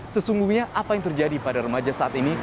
sesungguhnya apa yang terjadi pada remaja saat ini